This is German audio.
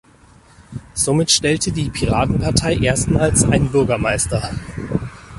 Somit stellte die Piratenpartei erstmals einen Bürgermeister.